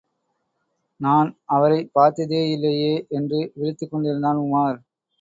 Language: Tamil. நான் அவரைப் பார்த்ததேயில்லையே! என்று விழித்துக் கொண்டிருந்தான் உமார்.